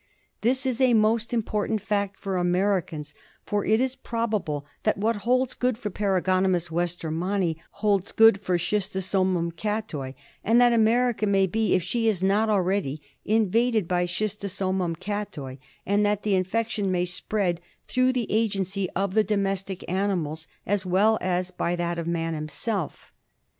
This is a most important fact for Americans, for it is probable that what holds good for Paragonimus westermanni holds good for Schis tosomum caitoi, and that America may be, if she is not so already, invaded by Schistosomum cattoi, and that the infection may spread through the agency of the domestic animals as well as by that of man himself.